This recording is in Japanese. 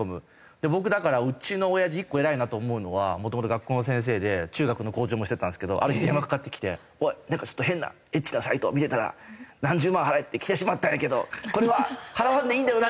僕だからうちの親父１個偉いなと思うのはもともと学校の先生で中学の校長もしてたんですけどある日電話かかってきて「おい！なんか変なエッチなサイトを見てたら何十万払えってきてしまったんやけどこれは払わんでいいんだよな？」